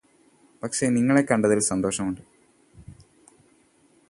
പക്ഷെ നിങ്ങളെ കണ്ടതില് സന്തോഷമുണ്ട്